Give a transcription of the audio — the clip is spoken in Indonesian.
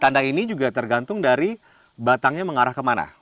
tanda ini juga tergantung dari batangnya mengarah kemana